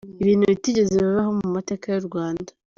Ibintu bitigeze bibaho mu mateka y’U Rwanda.